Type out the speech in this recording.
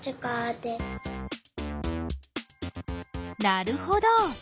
なるほど。